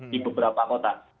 di beberapa kota